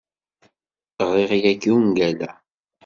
Ɣriɣ yagi ungal-a.